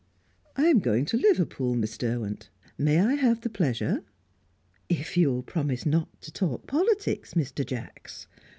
"I am going to Liverpool, Miss Derwent. May I have the pleasure ?" "If you will promise not to talk politics, Mr. Jacks."